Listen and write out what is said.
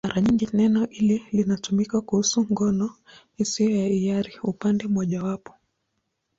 Mara nyingi neno hili linatumika kuhusu ngono isiyo ya hiari upande mmojawapo.